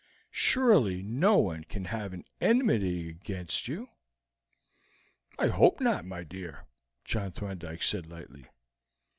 Surely no one can have any enmity against you." "I hope not, my dear," John Thorndyke said lightly.